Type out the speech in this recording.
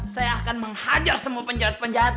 saya akan menghajar semua penjahat penjahat